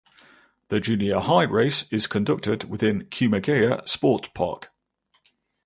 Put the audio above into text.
The junior high race is conducted within Kumagaya Sports Park.